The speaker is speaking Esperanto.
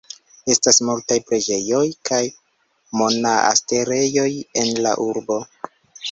Estas multaj preĝejoj kaj monaasterejoj en la urbo.